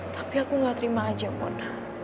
tapi aku gak terima aja pona